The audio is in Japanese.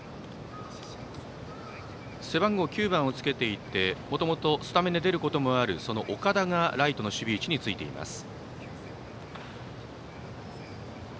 背番号９番をつけていてもともと、スタメンで出ることもある岡田がライトの守備位置についています。